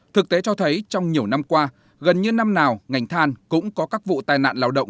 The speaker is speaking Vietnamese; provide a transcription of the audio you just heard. thực tế cho thấy trong nhiều năm qua gần như năm nào ngành than cũng có các vụ tai nạn lao động